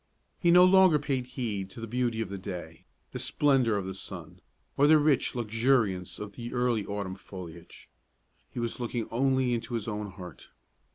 He no longer paid heed to the beauty of the day, the splendor of the sun, or the rich luxuriance of the early autumn foliage. He was looking only into his own heart.